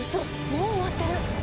もう終わってる！